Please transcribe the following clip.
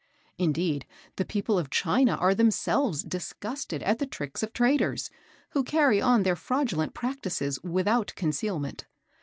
Indeed, the people of China are themselves disgusted at the tricks of traders, who carry on their fraudulent practices without concealment.